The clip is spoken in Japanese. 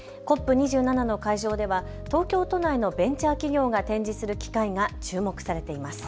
ＣＯＰ２７の会場では東京都内のベンチャー企業が展示する機械が注目されています。